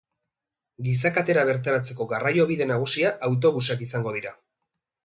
Giza katera bertaratzeko garraio bide nagusia autobusak izango dira.